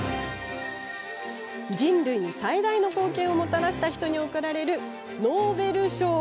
人類に最大の貢献をもたらした人に贈られるノーベル賞。